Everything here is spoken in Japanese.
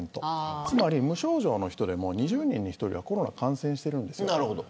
つまり、無症状の人でも２０人に１人はコロナ感染してるんです。